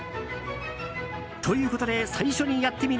ということで、最初に「やってみる。」